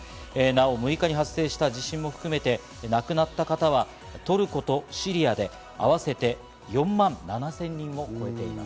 ６日に発生した地震も含めて亡くなった方はトルコとシリアで合わせて４万７０００人を超えています。